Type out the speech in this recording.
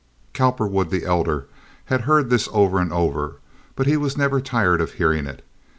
Cowperwood, the elder, had heard this over and over, but he was never tired of hearing it.